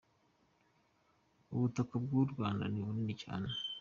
Ubutaka bw'u Rwanda ni bunini cyane.